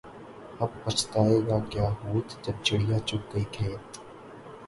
اب بچھتائے کیا ہوت جب چڑیا چگ گئی کھیت